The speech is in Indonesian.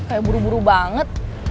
kayak buru buru banget